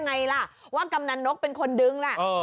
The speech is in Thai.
คุณผู้ชมฟังช่างปอลเล่าคุณผู้ชมฟังช่างปอลเล่าคุณผู้ชมฟังช่างปอลเล่า